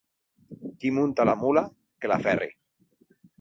Qui munta la mula, que la ferri.